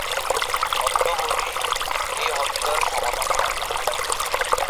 অদ্যাবধি এ হত্যার সমাধান হয়নি।